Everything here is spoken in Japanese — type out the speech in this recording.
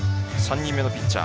３人目のピッチャー